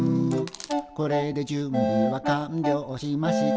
「これで準備は完了しました」